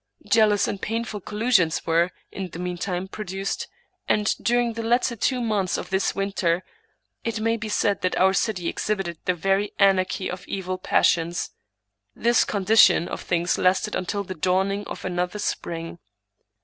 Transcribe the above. Jealous and painful collusions were, in the meantime, produced; and, during the latter two months of this winter, it may be said that our city exhibited the very anarchy of evil passions. This condition of things lasted until the dawning of another spring.